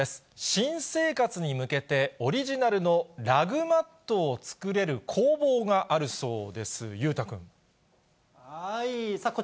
新生活に向けて、オリジナルのラグマットを作れる工房があるそうです。